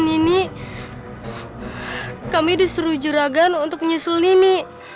nini kami disuruh juragan untuk menyusul nini